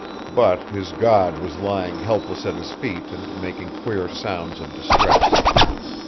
But his god was lying helpless at his feet and making queer sounds of distress.